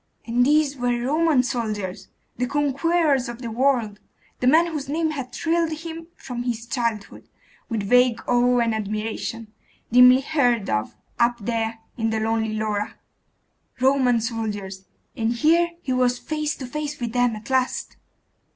And these were Roman soldiers! the conquerors of the world! the men whose name had thrilled him from his childhood with vague awe and admiration, dimly heard of up there in the lonely Laura.... Roman soldiers! And here he was face to face with them at last!